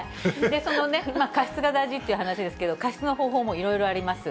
加湿が大事っていう話ですけど、加湿の方法もいろいろあります。